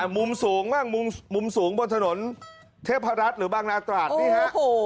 มุมสูงบ้างมุมสูงบนถนนเทพรัฐหรือบางนาตราดนี่ฮะ